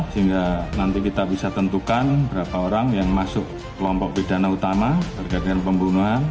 sehingga nanti kita bisa tentukan berapa orang yang masuk kelompok pidana utama terkait dengan pembunuhan